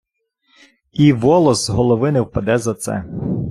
І волос з голови не впаде за це.